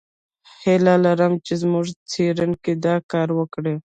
هیله لرم چې زموږ څېړونکي دا کار وکړي.